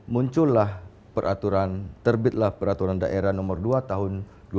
muncullah peraturan terbitlah peraturan daerah nomor dua tahun dua ribu dua